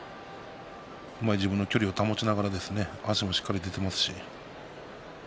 自分の距離を保ちながら足もしっかり出ていますし。